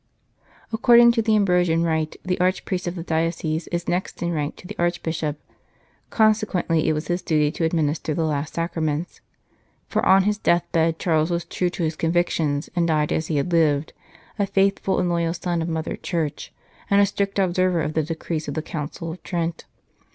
According to the Ambrosian Rite, the Arch priest of the diocese is next in rank to the Arch bishop ; consequently it was his duty to administer the last Sacraments. For on his death bed Charles was true to his convictions, and died as he had lived, a faithful and 234 Ecce venio loyal son of Mother Church, and a strict observer of the decrees of the Council of Trent.